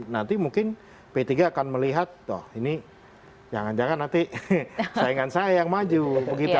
nanti mungkin p tiga akan melihat toh ini jangan jangan nanti saingan saya yang maju begitu